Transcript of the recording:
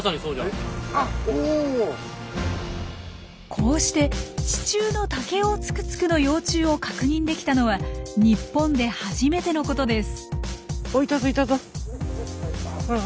こうして地中のタケオオツクツクの幼虫を確認できたのは日本で初めてのことです。